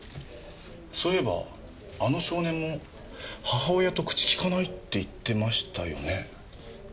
そういえばあの少年も母親と口利かないって言ってましたよね？